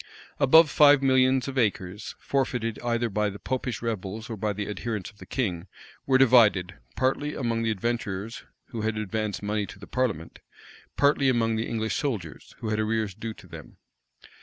Above five millions of acres, forfeited either by the Popish rebels or by the adherents of the king, were divided, partly among the adventurers, who had advanced money to the parliament, partly among the English soldiers, who had arrears due to them.